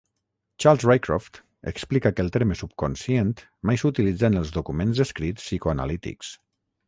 Charles Rycroft explica que el terme subconscient "mai s'utilitza en els documents escrits psicoanalítics".